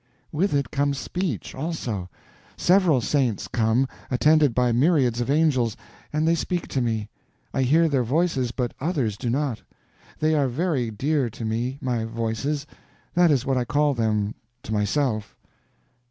"With it comes speech, also. Several saints come, attended by myriads of angels, and they speak to me; I hear their voices, but others do not. They are very dear to me—my Voices; that is what I call them to myself."